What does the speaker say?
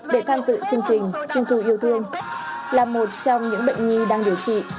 để tham dự chương trình trung thu yêu thương là một trong những bệnh nhi đang điều trị